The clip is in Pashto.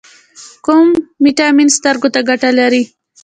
کوم ویټامین سترګو ته ګټه لري؟